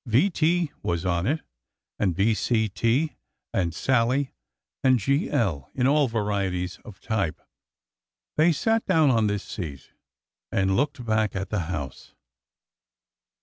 V. T." was on it, and B. C. T.," and '' Sallie," and '' G. L.," in all varieties of type. They sat down on this seat and looked back at the house.